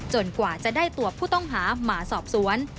กว่าจะได้ตัวผู้ต้องหามาสอบสวน